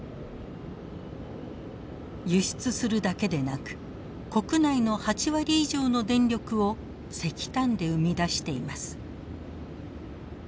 輸出するだけでなく国内の８割以上の電力を石炭で生み出しています。